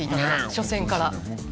初戦から。